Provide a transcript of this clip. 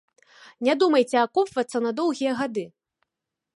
Не думайце акопвацца на доўгія гады!